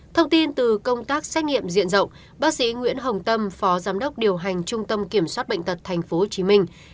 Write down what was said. thông tin từ công tác xét nghiệm diện rộng bác sĩ nguyễn hồng tâm phó giám đốc điều hành trung tâm kiểm soát bệnh tật thành phố hồ chí minh